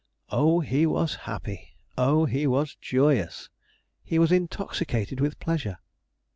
Oh, he was happy! Oh, he was joyous! He was intoxicated with pleasure.